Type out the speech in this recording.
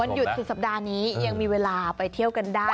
หยุดสุดสัปดาห์นี้ยังมีเวลาไปเที่ยวกันได้